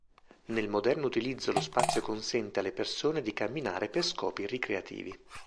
Nel moderno utilizzo lo spazio consente alle persone di camminare per scopi ricreativi.